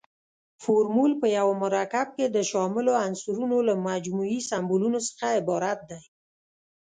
فورمول په یو مرکب کې د شاملو عنصرونو له مجموعي سمبولونو څخه عبارت دی.